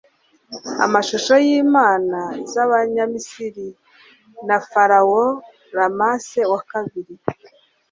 amashusho y'imana z'Abanyamisiri na Pharaoh Ramses wa kabiri